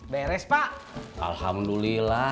bares pak alhamdulillah